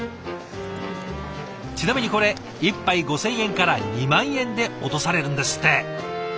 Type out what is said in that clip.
ちなみにこれ１杯５千円から２万円で落とされるんですって。